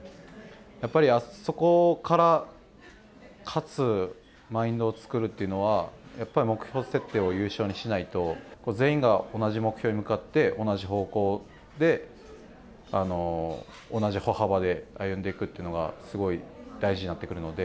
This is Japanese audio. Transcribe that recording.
やっぱり、あそこからかつマインドを作るといいのはやっぱり目標設定を優勝にしないと全員が同じ目標に向かって同じ方向で同じ歩幅で歩んでいくというのがすごい大事になってくるので。